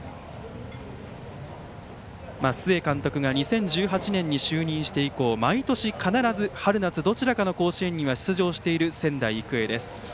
須江監督が２０１８年に就任して以降毎年、必ず春夏どちらかの甲子園には出場している仙台育英です。